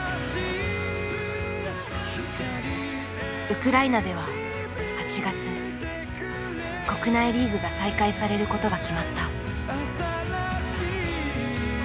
ウクライナでは８月国内リーグが再開されることが決まった。